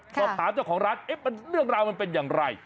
สอบถามเจ้าของร้านเรื่องราวมันเป็นอย่างไร